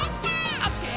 「オッケー！